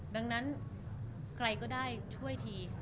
ดังนั้นใครก็ได้ช่วยที